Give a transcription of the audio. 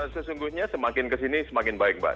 sesungguhnya semakin kesini semakin baik mbak